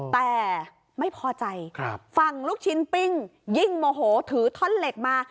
แต่ไม่พอใจฝั่งลูกชิ้นปิ้งยิ่งโมโหถือท่อนเหล็กมา